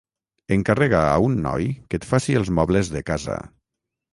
Encarrega a un noi que et faci els mobles de casa.